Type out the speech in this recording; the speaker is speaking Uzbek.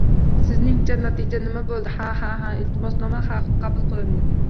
Sizningcha, natija nima bo'ldi? Ha, ha, ha - iltimosnoma qabul qilindi!